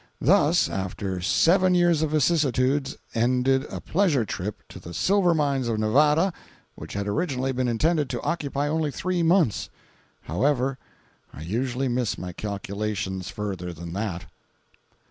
Thus, after seven years of vicissitudes, ended a "pleasure trip" to the silver mines of Nevada which had originally been intended to occupy only three months. However, I usually miss my calculations further than that.